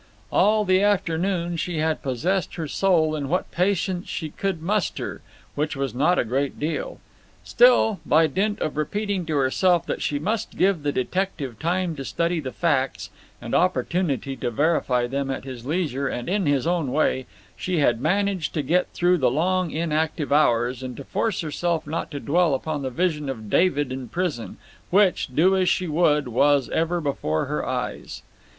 All the afternoon she had possessed her soul in what patience she could muster, which was not a great deal. Still, by dint of repeating to herself that she must give the detective time to study the facts, and opportunity to verify them at his leisure and in his own way, she had managed to get through the long inactive hours, and to force herself not to dwell upon the vision of David in prison, which, do as she would, was ever before her eyes.